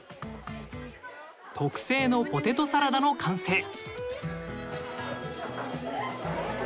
特製のポテトサラダの完成。